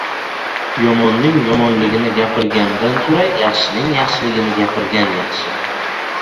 Yomonning yomonligini gapirgandan ko‘ra, yaxshining yaxshiligini gapirgan yaxshi.